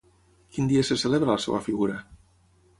Quin dia se celebra la seva figura?